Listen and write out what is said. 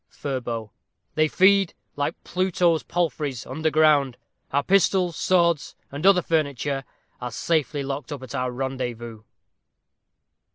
Furbo. They feed, like Pluto's palfreys, under ground. Our pistols, swords, and other furniture, Are safely locked up at our rendezvous.